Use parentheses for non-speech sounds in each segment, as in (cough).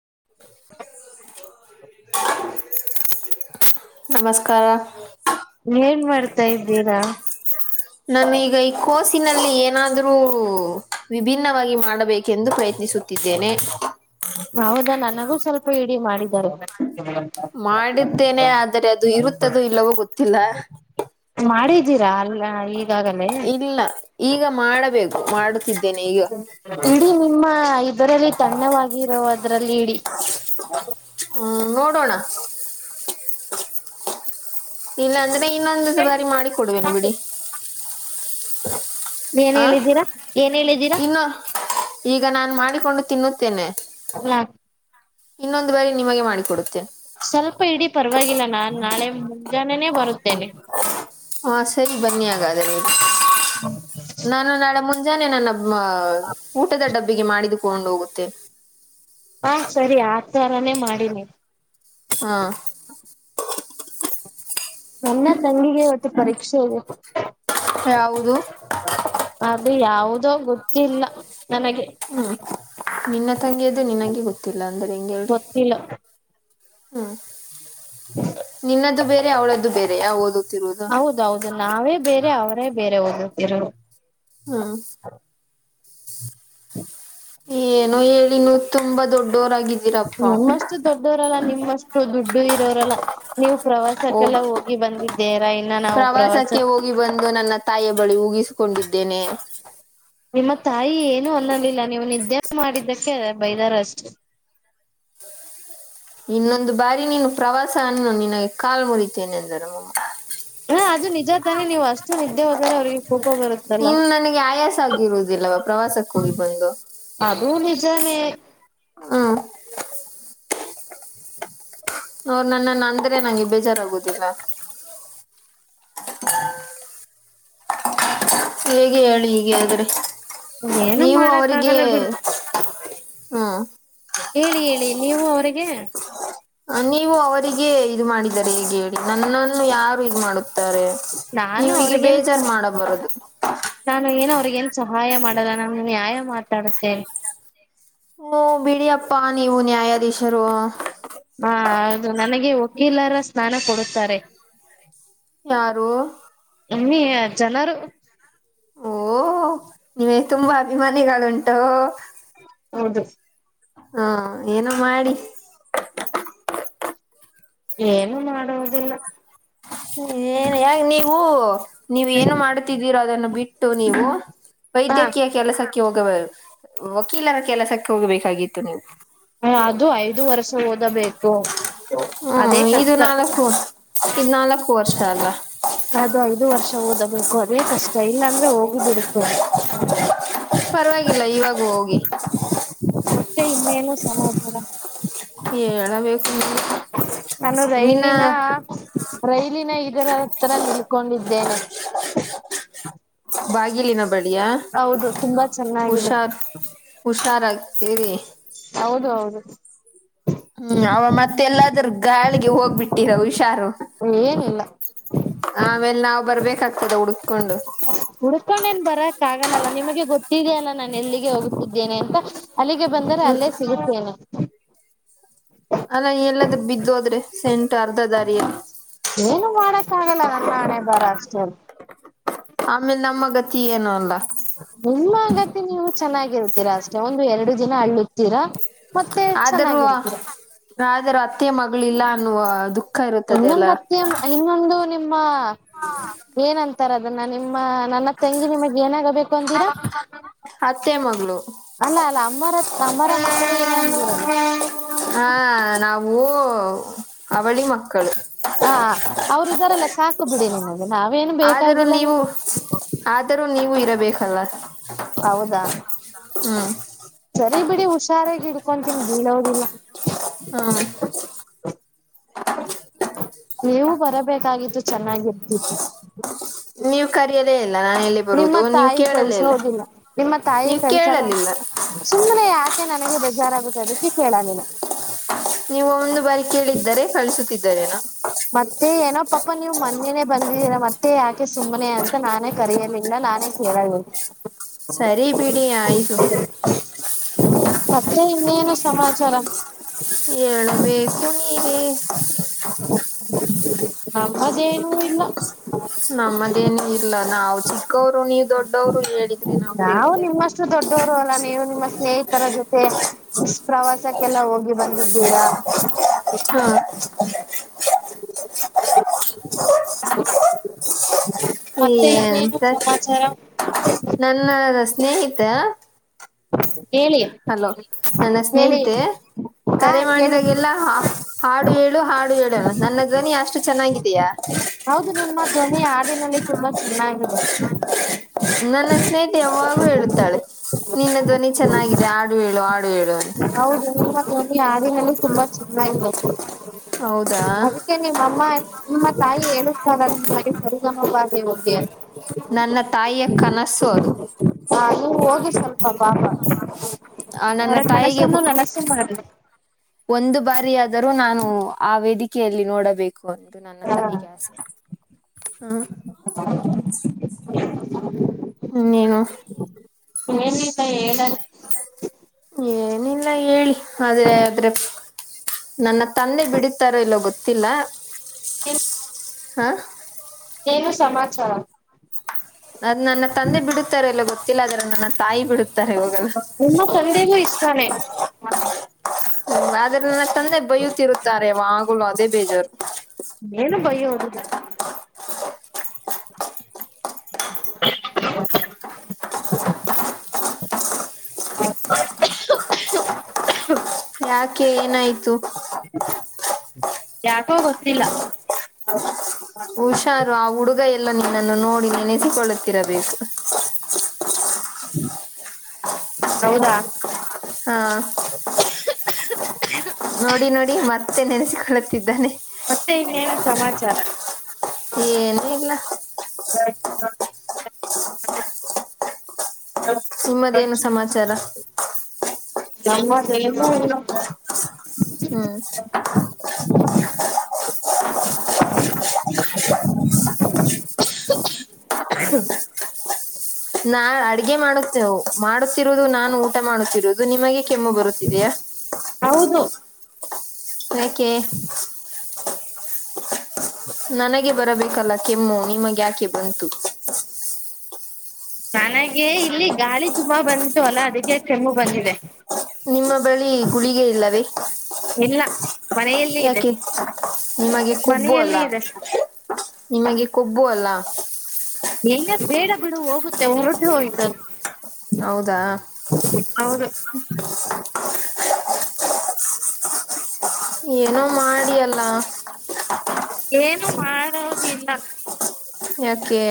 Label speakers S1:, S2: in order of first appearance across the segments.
S1: (inaudible)
S2: ಹ (unintelligible)
S1: ನಮಸ್ಕಾರ
S2: ನೀ ಏನ್ ಮಾಡ್ತಾ ಇದ್ದೀರಾ
S1: ನಾನೀಗ ಈ ಕೋಸಿನಲ್ಲಿ ಏನಾದ್ರೂ ವಿಭಿನ್ನವಾಗಿ ಮಾಡಬೇಕಂದು ಕರಿತೀನಿ ಎನ್ನಿಸುತ್ತಿದ್ದೇನೆ
S2: ಹೌದಾ ನನಗೂ ಸ್ವಲ್ಪ ಇಡಿ ಮಾಡಿದ್ದಾರೆ
S1: ಮಾಡಿದ್ದೇನೆ ಆದರೆೆ ಅದು ಇರುತ್ತದ ಇಲ್ಲವೋ ಗೊತ್ತಿಲ್ಲ
S2: ಇಲ್ಲ ಈಗಾಗಲ್ಲ
S1: ಇಲ್ಲ ಈಗ ಮಾಡಬೇಕು ಮಾಡುತ್ತಿದ್ದೇನೆ ಈಗ
S2: ಇಡೀ ನಿಮ್ಮ ಇದರಲ್ಲಿ ತನ್ನವಾಗಿರ ಅದ್ರಲ್ಲಿ ಇಡಿ
S1: ಹ್ಮ್ ನೋಡೋಣ ಇಲ್ಲ ಅಂದ್ರೆ ಇನ್ನೊಂದು ಬಾರಿ ಮಾಡಿ ಕೊಡ್ವೇನು ಬಿಡಿ
S2: ಏನ್
S1: ಆ
S2: ಹೇಳಿದ್ದೀರಾ ಏನ್ ಹೇಳಿದ್ದೀರಾ
S1: ಇನ್ನು ಈಗ ಈಗ ನಾನ್ ಮಾಡಿಕೊಂಡು ತಿನ್ನುತ್ತೇನೆ
S2: ಅಲಾ
S1: ಇನ್ನೊಂದು ಬಾರಿ ನಿಮಗೆ ಮಾಡಿಕೊಡುತ್ತೇನೆ
S2: ಸ್ವಲ್ಪ ಇಡೀ ಪರವಾಗಿಲ್ಲ ನಾನ್ ನಾಳೆ ಮುಂಜಾನೆನೆ ಬರುತ್ತೇನೆ
S1: ಹಾ ಸರಿ ಬನ್ನಿ ಹಾಗಾದ್ರೆ ನಾನು ನಾಳೆ ಮುಂಜಾನೆ ನನ್ನ ಊಟದ ಡಬ್ಬಿಗೆ ಮಾಡಿದುಕೊಂಡು ಹೋಗುತ್ತೆ
S2: ಹಾ ಸರಿ ಆ ತರಾನೇ ಮಾಡಿನಿ
S1: ಹಾ
S2: ನನ್ನ ತಂಗಿಗೆ ಇವತ್ತು ಪರೀಕ್ಷೆ ಇದೆ
S1: ಯಾವುದು
S2: ಅದು ಯಾದೋ ಗೊತ್ತಿಲ್ಲ ನನಗೆ
S1: ಹ್ಮ್ ನಿನ್ನ ತಂಗಿಯದು ನಿನಗೆ ಗೊತ್ತಿಲ್ಲ ಅಂದ್ರೆ ಹೆಂಗ ಹೇಳಿ
S2: ಗೊತ್ತಿಲ್ಲ
S1: ಹ್ಮ್ ನಿನ್ನದದುು ಬೇರೆ ಅವಳದು
S2: ಹೌದೌದು ನಾವೇ ಬೇರೆ ಅವರೇ ಬೇರೆ ಓದುತ್ತಿರೋ
S1: ಹಾ
S2: ಹ್ಮ
S1: ಏನುೋ ಹೇಳಿನನು ತುಂಬಾ ದೊಡ್ಡ
S2: ನಿಮ್ಮಷ್ಟು ದೊಡ್ಡವರಲ್ಲ ನಿಮ್ಮಷ್ಟು ದುಡ್ಡು ಇರೋ್ರಲ್ಲ ನೀವು
S1: ಓ
S2: ಪ್ರವಾಸಕ್ಕೆಲ್ಲ ಹೋಗಿ ಬಂದಿದ್ದೀರಾ ಇನ್ನ ನಾವು ಪ್ರವಾಸ
S1: ಪ್ರವಾಸಕ್ಕೆ ಹೋಗಿ ಬಂದು ನನ್ನ ತಾಯಿಯ ಬಳಿ ಉಗಿಸ್ಕೊಂಡ ಕೊಂಡಿದ್ದೇನೆ
S2: ನಿಮ್ಮ ತಾಯಿ ಏನು ಅನ್ನೋಲಿಲ್ಲ ನೀವು ನಿದ್ದೆ ಮಾಡಿದ್ದಕ್ಕೆ ಬೈದಾರ ಅಷ್ಟೆ (unintelligible)
S1: ಇನ್ನೊಂದು ಬಾರಿ ನೀನು ಪ್ರವಾಸ ಅನ್ನ ನಿಿನಗೆ ಕಾಲ್ ಮುರಿತೇನೆಂದರು ಮಮ್ಮ
S2: (inaudible) ಹಾ ಅದು ನಿಜ ತಾನೆ ನೀವು್ ಅಷ್ಟು ನಿದ್ದೆ ಹದರೆ ಅವ್ರಿಗೆ ಕಪ ಬರುತ್ತಲ್ಲ
S1: ಪ್ರವಾಸಕ್ಕ ಹೋಗಿ ಬಂದು
S2: ಅದ ನಿಜಾನೆ
S1: ಹ್ಮ ಅವರು ನನ್ನನ್ನ ಅಂದ್ರೆ ನಂಗೆ ಬೇಜಾರಾಗುದಿಲ್ಲ ಹೇಗೆ ಹೇಳಿ ಹೀಗೆ ಆದ್ರೆ
S2: ಏನು
S1: ನೀವು
S2: ಮಾಡಕ್
S1: ಅವರಿಗೆ
S2: ಆಗಲ್ಲ ಬಿಡಿ
S1: ಹಾ
S2: ಹೇಳಿ ಹೇಳಿ ನೀವು ಅವರಿಗೆ
S1: ನೀವು ಅವರಿಗೆ ಇದು ಮಾಡಿದರೆ ಹೇಗೆ ಹೇಳಿ ನನ್ನನ್ನು ಯಾರು ಇದು ಮಾಡುತ್ತ
S2: ನಾನು
S1: ನೀವೀಗೆ
S2: ಅವ್ರಿಗೇನ್
S1: ಬೇಜಾರ್ು ಮಾಡಬರುದು
S2: ನಾನು ಏನೋ ಅವ್ರಗ ಏನ್ ಸಹಾಯ ಮಾಡಲ್ಲ ನಾನು ನ್ಯಾಯ ಮಾತಾಡುತ್ತೇನೆ
S1: ಹ್ಮ ಬಿಡಿಯಪ್ಪಾ ನೀವು ನ್ಯಾಯಾಧೀಶರು
S2: ಹಾ ಹೌದು ನನಗೆ ವಕೀಲರ ಸ್ನಾನ ಕೊಡುತ್ತಾರೆ
S1: ಯಾರು
S2: ನಿಮ್ಮಿ ಜನರು
S1: ಓ ನೀವೇ ತುಂಬಾ ಅಭಿಮಾನಿಗಳುಂಟು
S2: ಹೌದು
S1: ಹಾ ಏನ ಮಾಡಿ
S2: ಏನು ಮಾಡುವುದಿಲ್ಲ
S1: ಏನ್ ಯಾ ನೀವು ನೀವ ಏನು ಮಾಡ್ತಿದ್ದೀರ ಅದನ್ನು ಬಿಟ್ಟು ನೀವು
S2: ಹ
S1: ವೈದ್ಯಕೀಯ ಕೆಲಸಕ್ಕೆ ಹೋಗಬೇಕ ವಕೀಲರ ಕೆಲಸಕ್ಕೆ ಹೋಗಬೇಕಾಗಿತ್ತು ನೀವು
S2: ಹ ಅದು ಐದು ವರ್ಷ ಓದಬೇಕು ಅದೇ ಕಷ್ಟ
S1: ಇನ್ನ ಲ
S2: ಅದು ಐದು ವರ್ಷ ಹೋದ ಆಬೇಕು ಅದೇ ಕಷ್ಟ ಇಲ್ಲ ಅಂದ್ರೆ ಹೋಗಿ ಬಿಡುತ್ತೆ
S1: ಪರವಾಗಿಲ್ಲ ಇವಾಗ ಹೋಗಿ
S2: ಮತ್ತೆ ಇನ್ನೇನ ಸಲ ಸಡ
S1: ಹೇಳ ಬ
S2: ನಾನು ರೈಲಿನ ರೈಲಿನ ಇದರತ್ರರ ನಿಲ್ಕೊಂಡಿದ್ದೇನೆ
S1: ಬಾಗಿಲಿನ ಬಡಿಯ
S2: ಹೌದು ತುಂಬಾ ಚೆನ್ನಾಗಿದೆ
S1: ಹುಷಾರ್ ಹುಷಾರಾಗಿ
S2: ಹೌದು ಹೌದು
S1: ಹ್ಮ್ ಅವ ಮತ್ತೆಲ್ಲಾದ್ರ ಗಾಳಿಗೆ ಹೋಗ್ಬಿಟ್ಟಿರ ಹುಷಾರು
S2: ಏನಿಲ್ಲ
S1: ಆಮೇಲೆ ನಾವ್ ಬರ್ಬೇಕಾಗ್ತದೆ ಹುಡುಕಕೊಂಡು
S2: ಹುಡ್ಕೊಂಡೇನ್ ಬರಕ್ ಆಗಲ್ಲಲ್ಲ ನಿಮಗೆ ಗೊತ್ತಿದೆಯಲ್ಲ ನಾನು ಎಲ್ಲಿಗೆ ಹೋಗುತ್ತಿದ್ದೇನೆ ಅಂತ ಅಲ್ಲಿಗೆ ಬಂದರೆೆ ಅಲ್ಲೇ ಸಿಗುತ್ತೇನೆ
S1: ಅಲ್ಲ ಎಲ್ಲಾದ್ರೂ ಬಿದ್ದ ಹೋದ್ರೆ ಸೆಂಟ್ು ಅರ್ಧ ದಾರಿಯ
S2: ಏನು ಮಾಡಕ್ಕ ಆಗಲ್ಲ ನನ್ನ ಹಣೆ ಬರ ಅಷ್ಟೇ ಅಲ್ಲ
S1: ಆಮೇಲೆ ನಮ್ಮ ಗತಿ ಏನು ಅಲ್ಲ
S2: ನಿಮ್ಮ ಆಗತ್ತ ನೀವು ಚೆನ್ನಾಗಿರ್ತೀರಾ ಅಷ್ಟೆ ಒಂದು ಎರಡು ದಿನ ಹಳ್ಳತೀರಾ
S1: ಆದರೂ ಆದರೂ ಅತ್ತೆಯ ಮಗಳಿಲ್ಲ ಅನ್ನುವ ಅದು ಖ ಇರುತ್ತದೆ ಎಲ್ಲ
S2: ಇನ್ನೊಂದು ಅತ್ಯ ಇನ್ನೊಂದು ನಿಮ್ಮ ಏನಂತಾರ ಅದನ್ನ ನಿಮ ಮ್ಮ ನನ್ನ ತಂಗಿ ನಿಮಗ್ ಏನಾಗಬೇಕು ಅಂತೀರಾ
S1: ಅತ್ತೆ ಮಗಳು
S2: ಅಲ್ಲ ಅಲ್ಲ ಅಮ್ಮ ಅಮ್ಮ
S1: ಹಾ ನಾವು ಅವಳಿ ಮಾ
S2: ಹಾ ಅವ್ರು ಇದಾರೆಲ್ಲ ಸಾಕ್ ಬಿಡಿ ನಿ
S1: ಆದರೂ ನೀವು ಆದರೂ ನೀವು ಇರಬೇಕಲ್ಲ ಹ್ಮ್
S2: ಬರಿೀ ಬಿಡಿ ಹುಷಾರಾಗಿ ಇಡ್ಕೊಂತೀನಿ ಬೀಳೋದಿಲ್ಲ
S1: ಹ್ಮ
S2: ಹ ನೀವು ಬರಬೇಕಾಗಿತ್ತು ಚೆನ್ನಾಗಿರ್ತಿತ್ತು
S1: ನೀವು ಕರೆಯಲೇ ಇಲ್ಲ ನಾನು ಎಲ್ಲಿ
S2: ನಿಮ್ಮ
S1: ಬರುವುದು ನೀವು
S2: ತಾಯಿ
S1: ಕೇಳಲೇ
S2: ಕಳ್ಸ
S1: ಇಲ್ಲ
S2: ಹೋದಿಲ್ಲ ನಿಮ್ಮ ತಾಯಿ
S1: ನೀವು
S2: ಕೆಳ್ಸಲ್ಲ
S1: ಕೇಳಲಿಲ್ಲ
S2: ಸುಮ್ಮ್ನೆ ಯಾಕ ಅೆ ನನಗೆ ಬೇಜಾರಾಗುತ್ತೆ ಅದಕ್ಕೆ ಕೇಳಲಿಲ್ಲ
S1: ನೀವು ಒಂದು ಬಾರಿ ಕೇಳಿದ್ದರೆ ಕಳ್ಿಸುತ್ತಿ
S2: ಮತ್ತೆ ಏನೋ ಪಾಪ ನೀ್ ಮೊೇನೆ ಬಂದಿದ್ದೀರ ಮತ್ತೆ ಯಾಕೆ ಸುಮ್ಮ್ನೆ ಅಂತ ನಾನೇ ಕರೆಯಲಿಲ್ಲ ನಾನೇ ಕೇಳದ
S1: ಸರಿ ಪೀಡ ಆಯದುು
S2: ಮತ್ತೆ ಇನ್ನೇನು ಸಮಾಚಾರ
S1: ಹೇಳಏಬೇಕೇಕು ನೀರಿ
S2: ನಮ್ಮದೇನು ಇಲ್ಲ
S1: ನಮ್ಮದೇನು ಇಲ್ಲ ನಾವು ಚಿಕ್ಕವರು ನೀ ದೊಡ್ಡವ್ರು ಹೇಳಿದ್ರೆ ನಾವವು ಕೇೇಳತೆೇ
S2: ೋರು ಅಲ್ಲ ನೀವು ನಿಮ್ಮ ಸ್ನೇಹಿತರ ಜೊತೆ ಪ್ರವಾಸಕ್ಕೆಲ್ಲ ಹೋಗಿ ಬಂದಿದ್ದೀರಾ
S1: ಹ
S2: ಮತ್ತೆ
S1: ನ್
S2: ಇನ್ನೇನು ಸಮಾಚಾರ
S1: ನನ್ನ ಸ್ನೇಹಿತ
S2: ಹೇಳಿ
S1: ಹಲೋ ನನ್ನ
S2: ಹೇಳಿ
S1: ಸ್ನೇಹಿತೆ
S2: ಹಾ
S1: ಕರೆ
S2: ಕೇಳುತ್ತೆ
S1: ಮಾಡಿದಾಗೆಲ್ಲ ಹಾಡು ಹೇಳಏು ಹಾಡು ು ನನ್ನ ಧ್ವನಿ ಅಷ್ಟು ಚೆನ್ನಾಗಿದಯಾ
S2: ಹೌದು ನಿಮ್ಮ ಧ್ವನಿ ಆಡಿನಲ್ಲಿ ತುಂಬಾ ಚೆನ್ನಾಗಿದೆ
S1: ನನ್ನ ಸ್ನೇಹಿತಿಯ ಯಾಗೂ ಹೇಳುತ್ತಾಳೆ ನಿನ್ನ ಧ್ವನಿ ಚೆನ್ನಾಗಿದೆ ಆಡು ಹೇಳು ಆಡು ಹೇಳು ಅಂತ
S2: ಹೌದ ಮತ್ತೊಂದು ಯಾರಿನಲ್ಲ ತುಂಬಾ ಚೆನ್ನಾಗಿರತ್ತು
S1: ಹೌದಾ
S2: ಅದಕ್ಕೆ ನಿಮ್ಮ ಅಮ್ಮ ನಿಮ್ಮ ತಾಯಿ ಹೇಳತಾರ ನಿಮಗೆ ಸರಿಗನೋಬಲಿ ಹೋಗಿ
S1: ನನ್ನ ತಾಯಿಯ ಕನಸ್ಸು ಅದು
S2: ಹಬಾ
S1: ಆ ನನ್ನ ತಾಯಿಗೆ
S2: ಮಾಡಿ
S1: ಒಂದು ಬಾರಿ ಸರಿಯಾದರೂ ನಾನು ಆ ವೇದಿಕೆಯಲ್ಲಿ ನೋಡಬೇಕು ಹಕಂದು ನನ್ನ
S2: ಹಾ
S1: ತಾಯಿಗೆ ಆಸ ಹ್ಮ ಇನ್ನೇನು
S2: ಏನಲ್ಲ ಹೇಳ
S1: ಏನಿಲ್ಲ ಹೇಳಿ ಆದ್ರೆ ಆದ್ರೆ ನನ್ನ ತಂದೆ ಬಿಡಿತಾರೋ ಇಲ್ಲೋ ಗೊತ್ತಿಲ್ಲ ಹ
S2: ನೇನು ಸಮಾಚಾರ
S1: ಅದ್ ನನ್ನ ತಂದೆ ಬಿಡುತ್ತಾರೆ ಎಲ್ಲ ಗೊತ್ತಿಲ್ಲ ಆದ್ರೆ ನನ್ನ ತಾಯಿ ಬಿಡುತ್ತ
S2: ನಿಮ್ಮ ತಂದೆಗೂ ಇಷ್ಟಾನೇ
S1: ಹ್ಮ ಆದ್ರೆ ಚಂದೆ ಬಯ್ಯುತ್ತಿರುತ್ತಾರೆವ ಆಗಲು ಅದೇ ಬೇಜಾರು
S2: ಏನು ಬಯ್ಯೋದು (unintelligible) (unintelligible)
S1: ಯಾಕೆ ಏನಾಯ್ತು
S2: ಯಾಕೋ ಗೊತ್ತಿಲ್ಲ
S1: ಹುಷಾರು ಆ ಹುಡುಗ ಎಲ್ಲ ನಿನ್ನನ್ನು ನೋಡಿ ನೆನೆಸಿಕೊಳ್ಳುತ್ತಿರಬೇಕು
S2: ಹೌದಾ
S1: ಹಾ
S2: ಹ
S1: ನೋಡಿ ನೋಡಿ ಮತ್ತೆ ನೆನೆಸಿಕೊಳ್ಳುತ್ತಿದ್ದಾನೆ
S2: ಮತ್ತೆ ಇವನೇನ ಸಮಾಚಾರ
S1: ಏನ ಇಲ್ಲ
S2: ಹಾ ಹ
S1: ನಿಮ್ಮದೇಏನು ಸಮಾಚಾರ
S2: ಸಮಮ್ಮಾಜ ಎ
S1: ಹ್ಮ್
S2: ಹ (inaudible) (inaudible)
S1: ನಾ ಅಡಗೆ ಮಾಡ ಮಾಡುತ್ತಿರುವುದು ನಾನು ಊಟ ಮಾಡುತ್ತಿರುದು ದು ನಿಮಗೆ ಕೆಮ್ಮು ಬರುತ್ತಿದೆಯಾ
S2: ಹೌದು
S1: ಯಕ್ಕೆೆ ನನಗೆ ಬರಬೇಕಲ್ಲ ಕೆಮ್ಮು ನಿಮಗೆ ಯಾಕೆ ಬಂತು
S2: ನನಗೆ ಇಲ್ಲಿ ಗಾಳಿ ತುಂಬಾ ಬಂತು ಅಲ್ಲ ಅದಕ್ಕೆ ಕೆಮ್ಮು ಬಂದಿದೆ
S1: ನಿಮ್ಮ ಬಳಿ ಗುಳಿಗೆ ಇಲ್ಲವೇ
S2: ಇಲ್ಲ ಮನೆಯಲ್ಲಿ ಇದೆ
S1: ಯಾಕೆ ನಿಮಗೆ ಕೊಬ್ಬು ಅಲ್ಲ
S2: ಮನೆಯಲ್ಲಿ ಇದೆ
S1: ನಿಮಗೆ ಕೊಬ್ಬು ಅಲ್ಲ
S2: ನ ಬೇಡ ಬಿಡ ಹೋಗುತ್ತೆ ಹೊರಡ್ರ ಹೋಯ್ತ
S1: ಹೌದಾ
S2: ಹ್ಮ
S1: ಏನೋ ಮಾಡಿಿಯಲ್ಲ
S2: ಏನು ಮಾಡೋುದಿಲ್ಲ
S1: ಯಾಕೆ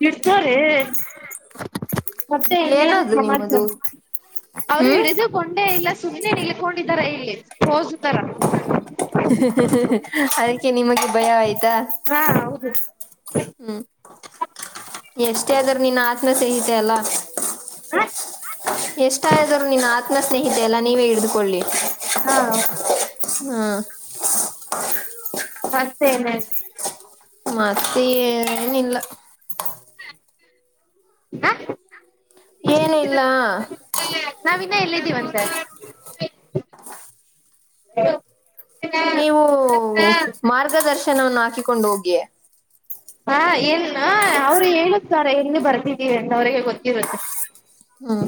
S2: ತಿತ ರ ಮತ್ತೆ ಇನ್ನೇನ್
S1: ಏನದು ನಿಮ್ಮದು
S2: ಸಮಾಚಾರ ಅವರು
S1: ಹ್ಮ್
S2: ಹಿಡಿದುಕೊಂಡೇ ಇಲ್ಲ ಸುಮ್ಮ್ನೆ ನಿಲ್ಕೊಂಡಿದಾರ ಇಲ್ಲಿ ಓಸ ತರ
S1: ಅದಕ್ಕೆ ನಿಮಗೆ ಭಯ ಆಯ್ತಾ
S2: ಹಾ ಹೌದು
S1: ಹ್ಮ್ ಎಷ್ಟೇ ಆದ್ರೂ ನಿನ್ ಆತ್ಮ ಸಹಿತ ಅಲ್ಲ
S2: ಹ
S1: ಎಷ್ಟ ಆದ್ರು ನಿನ್ನ ಆತ್ಮ ಸ್ನೇಹಿತೆ ಎಲ್ಲಾ ನೀವೇ ಹಿಡಿದುಕೊಳ್ಳಿ
S2: ಹಾ
S1: ಹ್ಮ್
S2: ಮತ್ತೆನ
S1: ಮತ್ತೆ ಏನಿಲ್ಲ
S2: ಹಾ
S1: ಏನಿಲ್ಲ
S2: ನಾವಿನ್ನ ಎಲ್ಲಿದ್ದೀವನ್ ಸರ್
S1: ನೀವು ಮಾರ್ಗದರ್ಶನವನ್ನು ಹಾಕಿಕೊಂಡು ಹೋಗಿ
S2: ಹಾ ಏನ್ ಅವ್ರು ಹೇಳಕ್ತಾರ ಹೆಂಗ ಬರ್ತಿದೀವಿ ಅಂತ ಅವ್ರಿಗೆ ಗೊತ್ತಿರುತ್ತೆ
S1: ಹ್ಮ್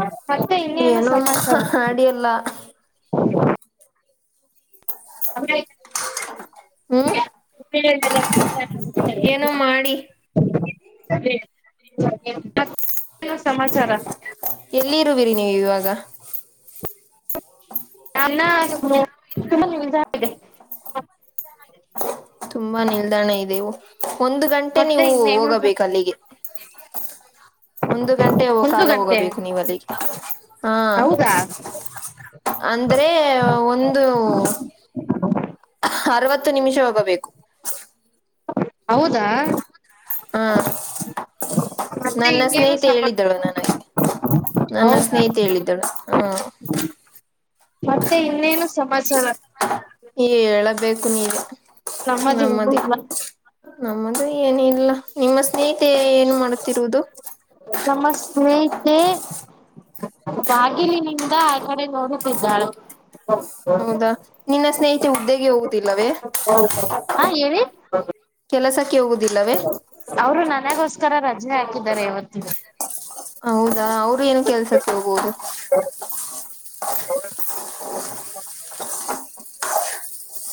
S2: ಮತ್ತ ಇನ್ನೇ ನು
S1: ಏನೋ
S2: ಸಮಾಚರ ಆದೆ
S1: ಮಾಡಿ ಅಲ್ಲ
S2: ಅ್ರ
S1: ಹ್ಮ
S2: (inaudible)
S1: ಮಾಡಿ
S2: ಹ್ಮ ಸಮಾಚಾರ
S1: ಎಲ್ಲಿರುವಿರಿ ನೀವು ಇವಾಗ
S2: ನ ನ ತು ನಿ (unintelligible)
S1: ತುಂಬಾ ನಿಲ್ದಾಣ ಇದೆ ಒಂದು ಗಂಟೆ
S2: ಮತ್ತೆ
S1: ನೀವು
S2: ಇನ್ನೇನು
S1: ಹೋಗಬೇಕು ಅಲ್ಲಿಗೆ ಹ ಒಂದು ಗಂಟೆ
S2: ಒಂದು
S1: ಕಾಲ
S2: ಗಂಟೆ
S1: ಹೋಗಬೇಕು ನೀವ ಅಲ್ಲಿಗೆ ಹಾ
S2: ಹೌದಾ
S1: ಅಂದ್ರೆ ಒಂದು ಅರವತ್ತು ನಿಮಿಷ ಒಬ್ಬಬೇಕು
S2: ಹೌದಾ
S1: ಹಾ
S2: ಮತ್ತೆ
S1: ನನ್ನ
S2: ಇನ್ನೇನು
S1: ಸ್ನೇಹಿತೆ
S2: ಸಮ
S1: ಹೇಳಿದ್ದಳು ನನಗೆ ನನ್ನ
S2: ಹೌದಾ
S1: ಸ್ನೇಹಿತ ಹೇಳಿದ್ದಳು ಹ
S2: ಮತ್ತೆ ಇನ್ನೇನು ಸಮಾಚಾರ
S1: ಈ ಹೇಳಬೇಕು ನೀಗ
S2: ನಮ್ಮದೇ
S1: ನಮ್ಮದು ಏನ ಇಲ್ಲ ನಿಮ್ಮ ಸ್ನೇಹಿತೆ ಏನ್ ಮಾಡತಿರುವುದು
S2: ನಮ್ಮ ಸ್ನೇಹಿತ ಬಾಗಿಲಿನಿಂದ ಆ ಕಡೆ ನೋಡುತ್ತಿದ್ದಾಳೆ
S1: ಹೌದಾ ನಿನ್ನ ಸ್ನೇಹಿತೆ ಹುದ್ದೆಗೆ ಹೋಗುದಿಲ್ಲವೇ
S2: ಹಾ ಹೇಳ
S1: ಕೆಲಸಕ್ಕೆ ಹೋಗುದಿಲ್ಲವೇ
S2: ತರ ರಜೆ ಹಾಕಿದ್ದಾರೆ ಇವತ್ತ
S1: ಹೌದಾ ಅವರು ಏನು ಕೆಲ್ಸಕ್ಕೆ ಹೋಗೋದು
S2: ಹ